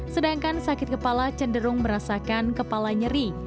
sedangkan sakit kepala cenderung merasakan kepala nyeri